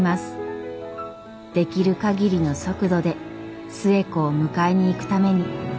できる限りの速度で寿恵子を迎えに行くために。